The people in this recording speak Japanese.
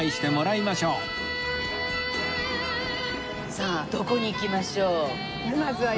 さあどこに行きましょう？